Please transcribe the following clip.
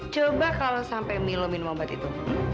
coba kalau sampai milo minum obat itu